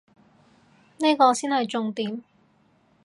呢個先係重點